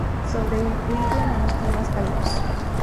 Sobreviven en los climas cálidos.